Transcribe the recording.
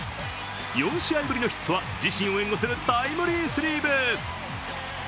４試合ぶりのヒットは自身を援護するタイムリースリーベース。